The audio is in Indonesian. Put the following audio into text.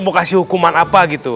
mau kasih hukuman apa gitu